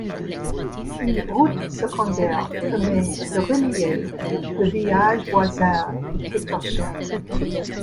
Une route secondaire permet de relier le village voisin de Téterchen.